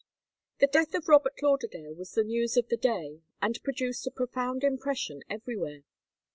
The death of Robert Lauderdale was the news of the day, and produced a profound impression everywhere.